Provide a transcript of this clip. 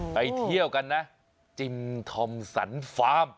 ไปเที่ยวกันนะจิมธอมสันฟาร์ม